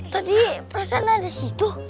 tadi perasaan ada di situ